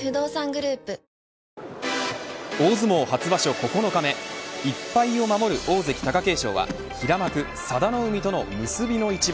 ９日目１敗を守る大関、貴景勝は平幕、佐田の海との結びの一番。